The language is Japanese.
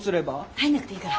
入んなくていいから。